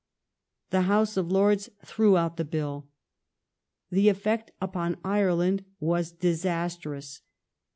The House of Lords threw out the bill. The effect upon Ireland was disastrous.